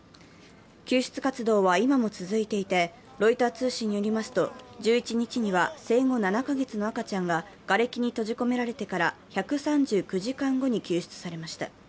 救出活動は今も続いていて、ロイター通信によりまりすと、１１日には生後７か月の赤ちゃんががれきに閉じ込められてから１３９時間後に救出されました。